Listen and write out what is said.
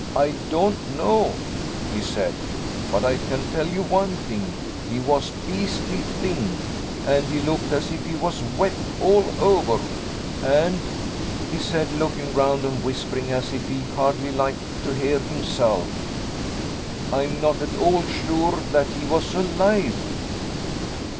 "I don't know," he said, "but I can tell you one thing he was beastly thin: and he looked as if he was wet all over: and," he said, looking round and whispering as if he hardly liked to hear himself, "I'm not at all sure that he was alive."